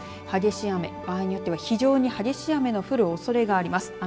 激しい雨、場合によって非常に激しい雨の降るおそれがります。